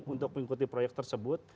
untuk mengikuti proyek tersebut